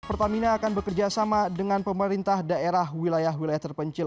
pertamina akan bekerjasama dengan pemerintah daerah wilayah wilayah terpencil